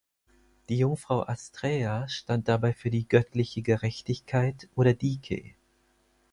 Die Jungfrau Astraea stand dabei für die göttliche Gerechtigkeit oder Dike.